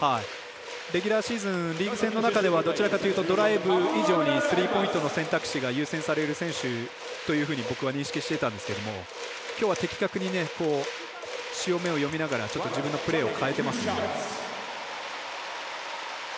レギュラーシーズン、リーグ戦の中ではどちらかというとドライブ以上にスリーポイントの選択肢が優先される選手というふうに僕は認識してたんですけどきょうは的確に潮目を読みながら自分のプレーを変えてますね。